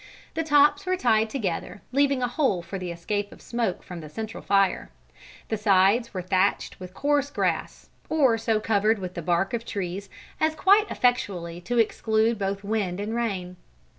The tops were tied together, leaving a hole for the escape of smoke from the central fire. The sides were thatched with coarse grass, or so covered with the bark of trees, as quite effectually to exclude both wind and rain.